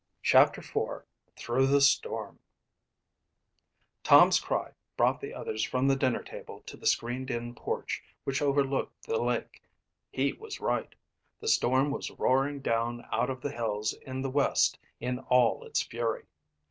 CHAPTER IV Through the Storm Tom's cry brought the others from the dinner table to the screened in porch which overlooked the lake. He was right. The storm was roaring down out of the hills in the west in all its fury.